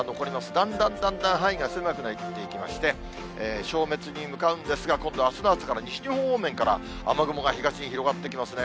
だんだんだんだん範囲が狭くなっていきまして、消滅に向かうんですが、今度、あすの朝から西日本方面から雨雲が東に広がってきますね。